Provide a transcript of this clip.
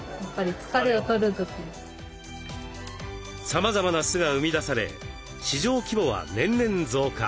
さまざまな酢が生み出され市場規模は年々増加。